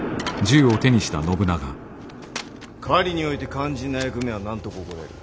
狩りにおいて肝心な役目は何と心得る？